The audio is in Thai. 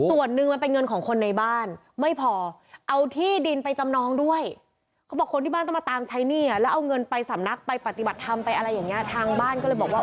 ส่วนนึงมันเป็นเงินของคนในบ้าน